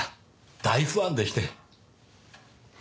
大ファンでして。